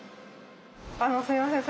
あのすいません。